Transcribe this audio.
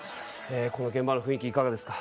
この現場の雰囲気いかがですか？